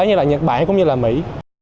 như là nhật bản cũng như là mỹ